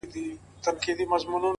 o زمری په ځنگلو کي اموخته دئ.